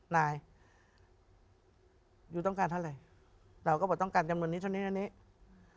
นายยูต้องการเท่าไหร่เราก็บอกต้องการจำนวนนี้เท่านี้เท่านี้